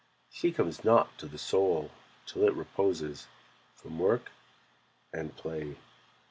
She comes not to the Soul till it reposes From work and play.